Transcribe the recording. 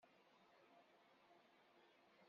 Ur as-ttakfemt azal.